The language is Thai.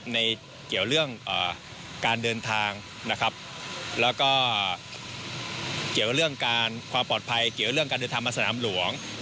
เกี่ยวเรื่องการเดินทางนะครับแล้วก็เกี่ยวกับเรื่องการความปลอดภัยเกี่ยวเรื่องการเดินทางมาสนามหลวง